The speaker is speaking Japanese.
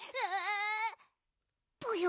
ぽよ！